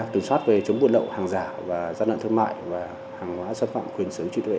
kiểm soát về chống buôn lậu hàng giả và gian đoạn thương mại và hàng hóa sản phẩm khuyến xứng trị tuệ